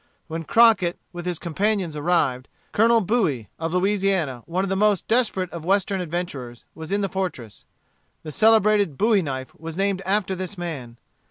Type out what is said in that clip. When Crockett with his companions arrived, Colonel Bowie, of Louisiana, one of the most desperate of Western adventurers, was in the fortress. The celebrated bowie knife was named after this man.